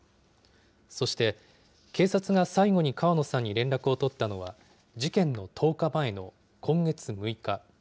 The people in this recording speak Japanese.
そして、警察が最後に川野さんに連絡を取ったのは、事件の１０日前の今月６日。